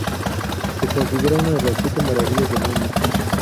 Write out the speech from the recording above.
Se considera una de las siete maravillas del mundo.